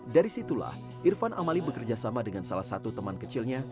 dari situlah irfan amali bekerjasama dengan salah satu teman kecilnya